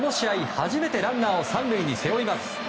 初めてランナーを３塁に背負います。